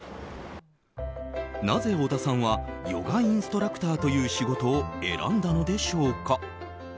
遠くに引っ張られるようになぜ、小田さんはヨガインストラクターという仕事を選んだのでしょうか。